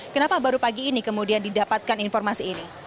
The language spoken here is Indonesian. kenapa baru pagi ini kemudian didapatkan informasi ini